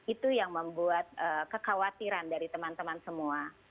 itu yang membuat kekhawatiran dari teman teman semua